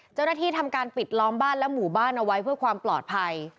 เจ้าหน้าที่ทำการปิดล้อมบ้านและหมู่บ้านเอาไว้เพื่อความปลอดภัย